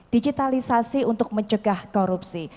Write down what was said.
digitalisasi untuk mencegah korupsi